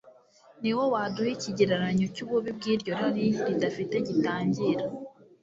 ni wo waduha ikigereranyo cy'ububi bw'iryo rari ridafite gitangira